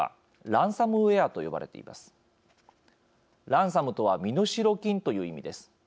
ランサムとは身代金という意味です。